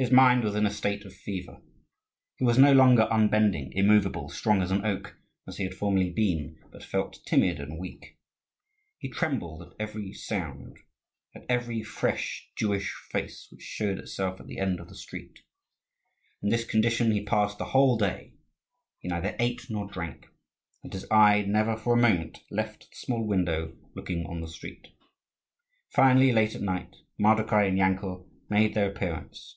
His mind was in a state of fever. He was no longer unbending, immovable, strong as an oak, as he had formerly been: but felt timid and weak. He trembled at every sound, at every fresh Jewish face which showed itself at the end of the street. In this condition he passed the whole day. He neither ate nor drank, and his eye never for a moment left the small window looking on the street. Finally, late at night, Mardokhai and Yankel made their appearance.